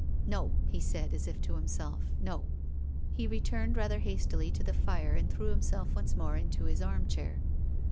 " No," he said, as if to himself, " no." He returned rather hastily to the fire and threw himself once more into his armchair.